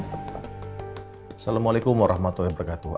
assalamualaikum warahmatullahi wabarakatuh